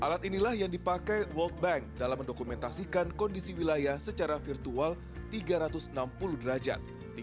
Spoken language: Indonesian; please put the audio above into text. alat inilah yang dipakai world bank dalam mendokumentasikan kondisi wilayah secara virtual tiga ratus enam puluh derajat